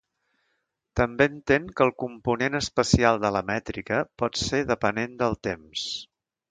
També entén que el component espacial de la mètrica pot ser depenent del temps.